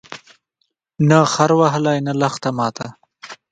نه خر وهلی، نه لښته ماته